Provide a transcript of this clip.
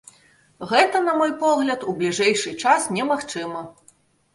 Гэта, на мой погляд, у бліжэйшы час немагчыма.